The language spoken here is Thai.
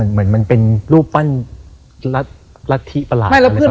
เหมือนมันเป็นรูปปั้นรัฐิประหลาดอะไรประมาณอย่าง